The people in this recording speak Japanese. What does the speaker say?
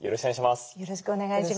よろしくお願いします。